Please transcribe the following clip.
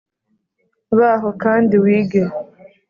baho kandi wige